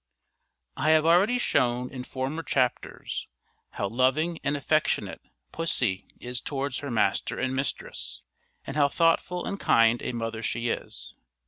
I have already shown in former chapters, how loving and affectionate pussy is towards her master and mistress, and how thoughtful and kind a mother she is.